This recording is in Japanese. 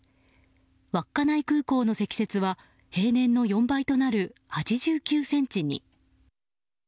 稚内空港の積雪は平年の４倍となる８９ｃｍに。